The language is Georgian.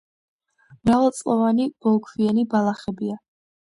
მრავალწლოვანი ბოლქვიანი ბალახებია.